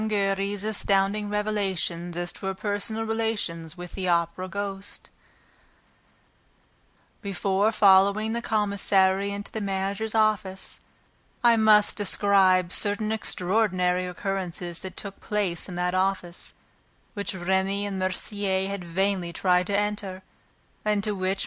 Giry's Astounding Revelations as to Her Personal Relations with the Opera Ghost Before following the commissary into the manager's office I must describe certain extraordinary occurrences that took place in that office which Remy and Mercier had vainly tried to enter and into which MM.